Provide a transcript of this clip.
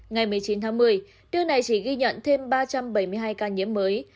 ngày một mươi chín tháng một mươi nước này chỉ ghi nhận thêm ba trăm bảy mươi hai ca nhiễm mới